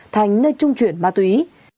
thành nơi trung chuyển ma túy